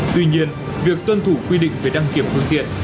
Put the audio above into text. tuy nhiên việc tuân thủ quy định về đăng kiểm phương tiện